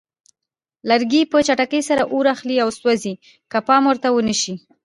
لرګي په چټکۍ سره اور اخلي او سوځي که پام ورته ونه شي.